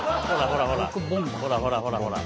ほらほらほらほら。